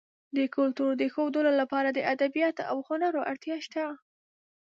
د کلتور د ښودلو لپاره د ادبیاتو او هنرونو اړتیا شته.